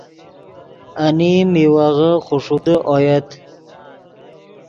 انیم میوغے خوݰوڤدے اویت۔